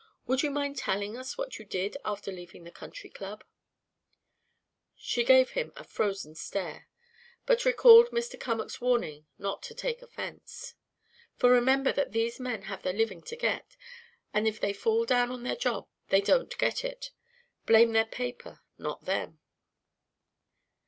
Would you mind telling us what you did after leaving the Country Club?" She gave him a frozen stare, but recalled Mr. Cummack's warning not to take offence "for remember that these men have their living to get, and if they fall down on their job they don't get it. Blame their paper, not them."